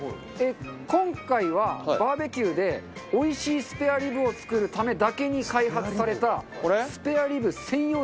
今回はバーベキューでおいしいスペアリブを作るためだけに開発されたスペアリブ専用ダレを使います。